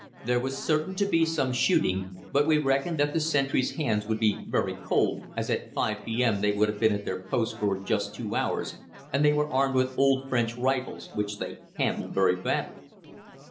There was certain to be some shooting, but we reckoned that the sentries' hands would be very cold, as at 5 p.m. they would have been at their posts for just two hours, and they were armed with old French rifles, which they handled very badly.